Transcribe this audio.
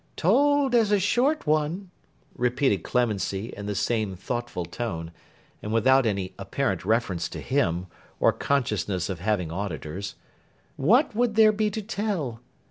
Told as a short one,' repeated Clemency in the same thoughtful tone, and without any apparent reference to him, or consciousness of having auditors, 'what would there be to tell?